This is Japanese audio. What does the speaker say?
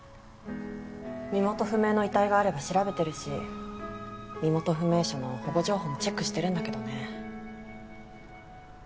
身元不明の遺体があれば調べてるし身元不明者の保護情報もチェックしてるんだけどね。